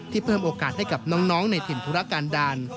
เพิ่มโอกาสให้กับน้องในถิ่นธุรการดาล